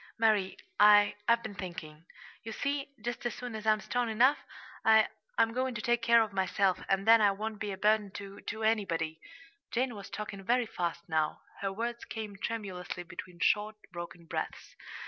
"Mary, I I've been thinking. You see, just as soon as I'm strong enough, I I'm going to take care of myself, and then I won't be a burden to to anybody." Jane was talking very fast now. Her words came tremulously between short, broken breaths.